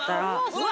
うわ！